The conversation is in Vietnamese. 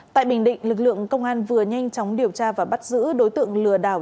tại bình định lực lượng công an vừa nhanh chóng điều tra và bắt giữ đối tượng lừa đảo